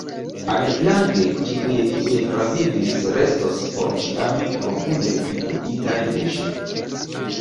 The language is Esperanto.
Aliflanke, tiuj kiuj transvivis restos porĉiame profunde influitaj de ĝi.